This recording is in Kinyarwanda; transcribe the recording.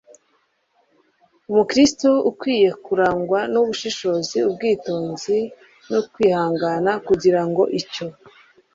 umukirisitu akwiye kurangwa n'ubushishozi, ubwitonzi n'ukwihangana, kugira ngo icyo